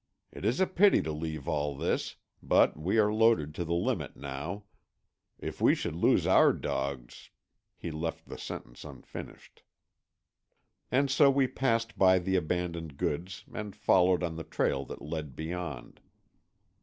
"It is a pity to leave all this, but we are loaded to the limit now. If we should lose our dogs——" he left the sentence unfinished. And so we passed by the abandoned goods and followed on the trail that led beyond.